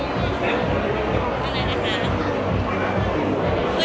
เฮ้ยไม่เคยจริงเราก็พิจักรรมเยอะ